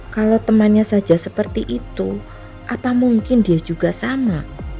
kalau temannya saja seperti itu apa mungkin dia juga sama